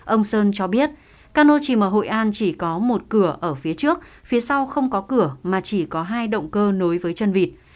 ông sơn cho biết cano chìm ở hội an chỉ có một cửa ở phía trước phía sau không có cửa mà chỉ có hai động cơ nối với chân vịt